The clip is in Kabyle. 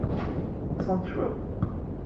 Ḍḍsent cwiṭ?